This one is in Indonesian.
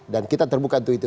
dan kita terbuka untuk itu